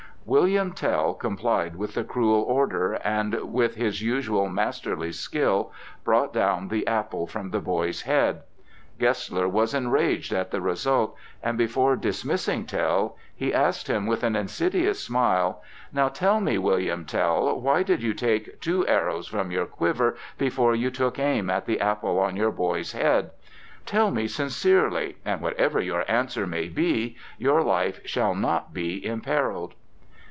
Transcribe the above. William Tell complied with the cruel order, and with his usual masterly skill brought down the apple from the boy's head. Gessler was enraged at the result, and, before dismissing Tell, he asked him with an insidious smile: "Now tell me, William Tell, why did you take two arrows from your quiver before you took aim at the apple on your boy's head? Tell me sincerely, and whatever your answer may be, your life shall not be imperilled."